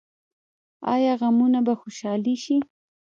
آیا غمونه به خوشحالي شي؟